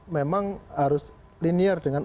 memang harus linier dengan